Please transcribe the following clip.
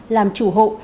làm chủ hộ